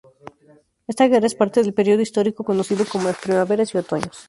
Esta guerra es parte del período histórico conocido como las Primaveras y Otoños.